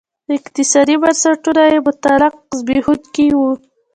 اقتصادي بنسټونه یې مطلق زبېښونکي وو.